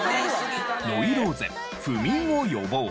ノイローゼ不眠を予防。